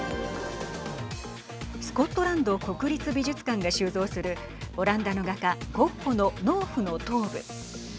スコットランド国立美術館が収蔵するオランダの画家ゴッホの農婦の頭部。